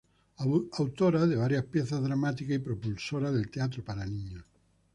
Autora de varias piezas dramáticas y propulsora del teatro para niños.